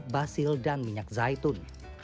basil dan minyak zaitun